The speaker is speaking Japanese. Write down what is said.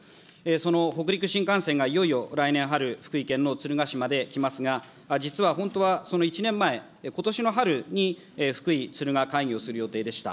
その北陸新幹線がいよいよ来年春、福井県の敦賀市まで来ますが、実は本当はその１年前、ことしの春に福井・敦賀開業をする予定でした。